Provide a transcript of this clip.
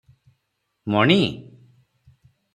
ମଣି!